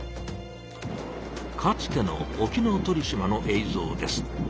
かつての沖ノ鳥島のえいぞうです。